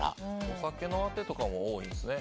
お酒のあてとかも多いんですね。